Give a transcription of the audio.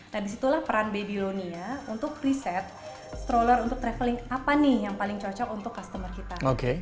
nah disitulah peran babylonia untuk riset stroller untuk traveling apa nih yang paling cocok untuk customer kita